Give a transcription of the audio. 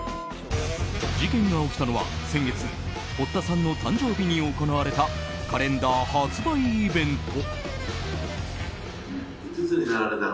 事件が起きたのは先月、堀田さんの誕生日に行われたカレンダー発売イベント。